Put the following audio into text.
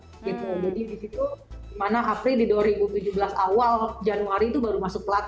jadi di situ di mana apri di dua ribu tujuh belas awal januari itu baru masuk lat